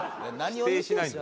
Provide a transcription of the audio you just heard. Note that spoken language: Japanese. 否定しないんだ。